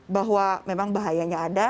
bahwa memang bahayanya ada